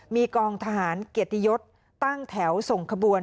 มีกองทหารเกียรติยศตั้งแถวส่งขบวน